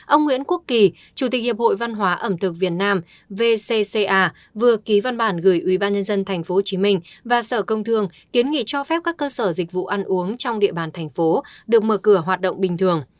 ông nguyễn quốc kỳ chủ tịch hiệp hội văn hóa ẩm thực việt nam vcca vừa ký văn bản gửi ubnd tp hcm và sở công thương kiến nghị cho phép các cơ sở dịch vụ ăn uống trong địa bàn thành phố được mở cửa hoạt động bình thường